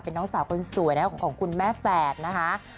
น้องสาวคนสวยนะของคุณแม่แฝดนะคะ